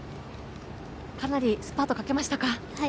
かなりスパートかけましたか？